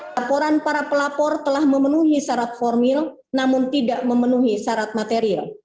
laporan para pelapor telah memenuhi syarat formil namun tidak memenuhi syarat material